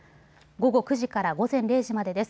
午後９時から午前０時までです。